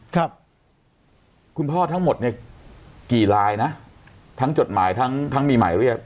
ครับคุณพ่อทั้งหมดเนี่ยกี่ลายนะทั้งจดหมายทั้งทั้งมีหมายเรียก